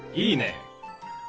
いいね！